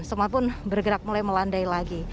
semua pun bergerak mulai melandai lagi